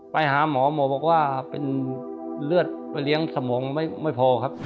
ไปหาหมอหมอบอกว่าเป็นเลือดไปเลี้ยงสมองไม่พอครับ